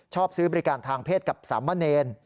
ซื้อบริการทางเพศกับสามะเนร